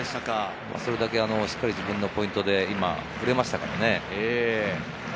しっかり自分のポイントで振れましたからね。